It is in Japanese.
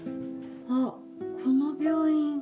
あっこの病院。